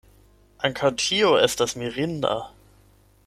Ankaŭ tio estas mirinda.